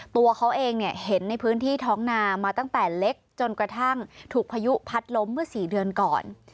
ตัวเขาเองเนี่ยเห็นในพื้นที่ท้องนามาตั้งแต่เล็กจนกระทั่งถูกพายุพัดล้มเมื่อ๔เดือนก่อน